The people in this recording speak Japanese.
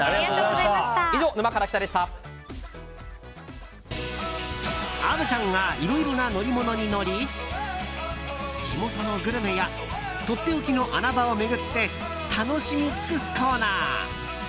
以上、「沼から来た。」でした。虻ちゃんがいろいろな乗り物に乗り地元のグルメやとっておきの穴場を巡って楽しみ尽くすコーナー。